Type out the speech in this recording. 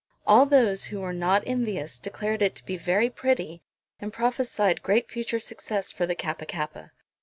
All those who were not envious declared it to be very pretty and prophesied great future success for the Kappa kappa.